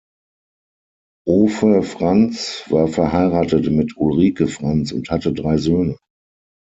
Ove Franz war verheiratet mit Ulrike Franz und hatte drei Söhne.